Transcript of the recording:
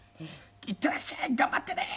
「いってらっしゃい頑張ってね」。